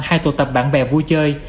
hay tổ tập bạn bè vui chơi